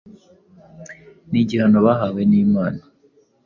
ni igihano bahawe n’Imana.